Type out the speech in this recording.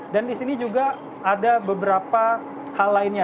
dan di sini juga ada beberapa hal lainnya